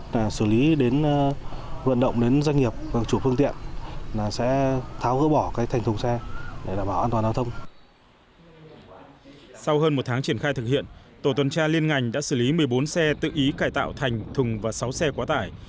tổ tuần tra liên ngành đã xử lý một mươi bốn xe tự ý cải tạo thành thùng và sáu xe quá tải